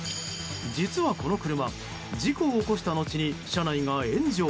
実は、この車事故を起こした後に車内が炎上。